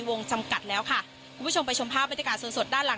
วงจำกัดแล้วค่ะคุณผู้ชมไปชมภาพบรรยากาศสดสดด้านหลัง